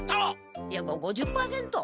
いやご５０％？